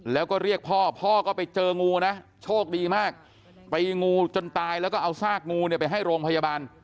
แล้วก็เรียกพ่อพ่อก็ไปเจองูนะโชคดีมากไปงูจนตายแล้วก็เอาซากงูเนี่ยไปให้โรงพยาบาล